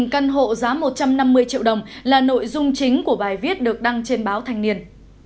ba trăm bốn mươi căn hộ giá một trăm năm mươi triệu đồng là nội dung chính của bài viết được đăng trên báo thành niên